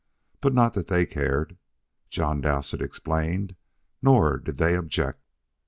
But not that they cared, John Dowsett explained. Nor did they object.